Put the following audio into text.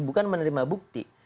bukan menerima bukti